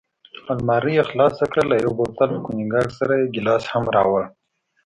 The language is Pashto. المارۍ یې خلاصه کړل، له یو بوتل کونیګاک سره یې ګیلاس هم راوړ.